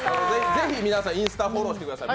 ぜひ皆さん、インスタフォローしてください。